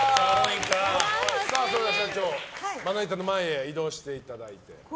それでは社長まな板の前に移動していただいて。